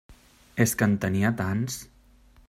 És que en tenia tants!